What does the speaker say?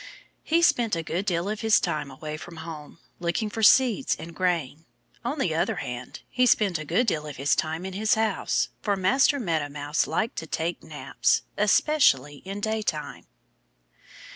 He spent a good deal of his time away from home, looking for seeds and grain. On the other hand, he spent a good deal of his time in his house; for Master Meadow Mouse liked to take naps especially in the daytime.